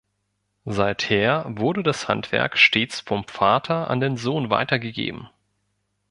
Seither wurde das Handwerk stets vom Vater an den Sohn weitergegeben.